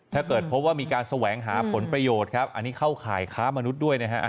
ถ้าเกิดพบว่ามีการแสวงหาผลประโยชน์ครับอันนี้เข้าข่ายค้ามนุษย์ด้วยนะฮะ